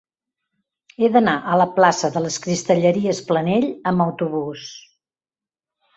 He d'anar a la plaça de les Cristalleries Planell amb autobús.